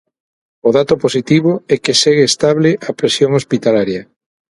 O dato positivo é que segue estable a presión hospitalaria.